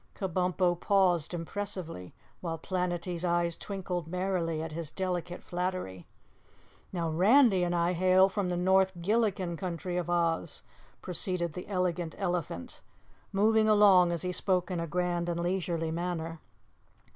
Kabumpo paused impressively while Planetty's eyes twinkled merrily at his delicate flattery. "Now Randy and I hail from the north Gilliken Country of Oz," proceeded the Elegant Elephant, moving along as he spoke in a grand and leisurely manner.